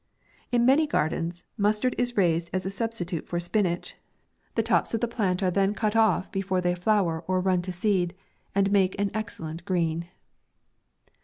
In many gardens mustard is raised as a substitute for spinach. The tops of the plant* MAY. 117 are then cut off, before they flower or run to seed, and make an excellent green.